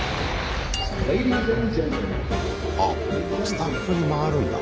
あっスタッフに回るんだ。